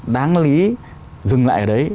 đáng lý dừng lại ở đấy